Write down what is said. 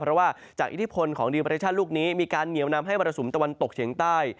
เพราะว่าจากอิทธิพลของดีประเทศชาติลูกนี้มีการเหนียวนำให้มรสุมตะวันตกเฉียงใต้